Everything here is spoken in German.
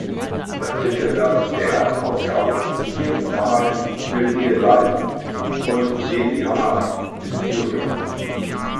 Das Titelblatt der Erstausgabe zierten damals Lucille Ball und Desi Arnaz Jr.